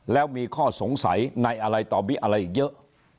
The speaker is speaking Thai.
แล้วมีข้อสงสัยในอะไรต่อมีอะไรอีกเยอะ